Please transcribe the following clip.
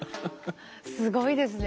すごいですね。